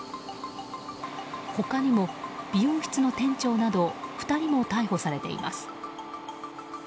他にも美容室の店長など２人も逮捕されています。